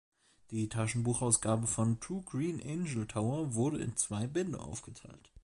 Die Taschenbuchausgabe von „To Green Angel Tower“ wurde in zwei Bände aufgeteilt.